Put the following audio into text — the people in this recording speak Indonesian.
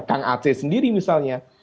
kang aceh sendiri misalnya